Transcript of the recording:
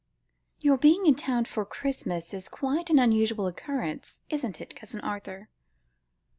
"Your being in town for Christmas is quite an unusual occurrence, isn't it, Cousin Arthur?"